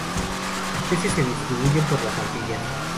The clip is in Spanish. Sus especies se distribuyen por las Antillas.